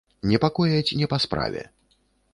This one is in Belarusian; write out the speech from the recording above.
Непакояць не па справе.